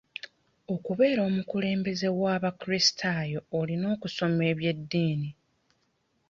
Okubeera omukulembeze w'abakulisitaayo olina okusoma ebyeddiini.